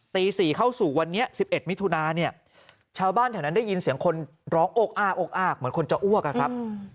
ตี๔เข้าสู่วันนี้๑๑มิถุนาเนี่ยชาวบ้านแถวนั้นได้ยินเสียงคนร้องโอกอ้าโอกอ้ากเหมือนคนจะอ้วกอะครับ